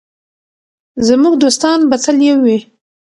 زموږ دوستان به تل یو وي.